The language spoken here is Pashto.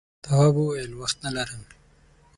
تواب وویل وخت نه لرم.